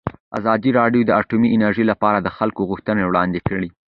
ازادي راډیو د اټومي انرژي لپاره د خلکو غوښتنې وړاندې کړي.